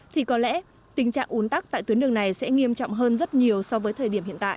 thì có lẽ tình trạng ủn tắc tại tuyến đường này sẽ nghiêm trọng hơn rất nhiều so với thời điểm hiện tại